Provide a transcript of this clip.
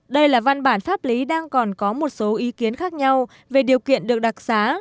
đây là văn bản pháp lý đang còn có một số ý kiến khác nhau về điều kiện được đặc xá